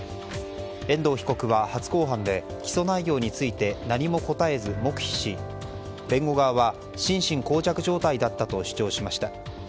遠藤被告は初公判で起訴内容について何も答えず黙秘し弁護側は心神耗弱状態だったと主張しました。